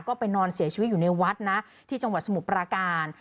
ก็ไปนอนเสียชีวิตอยู่ในวัดนะที่จังหวัดสมุทรปราการ